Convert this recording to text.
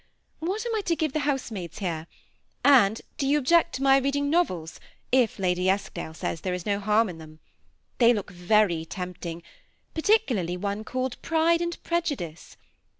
What am I to give the housemaids here? and do you object to my reading novels, if Lady Esk dale says there is no harm in them ? They look very tempting, 'particularly one called ^ Pride and Prejudice.'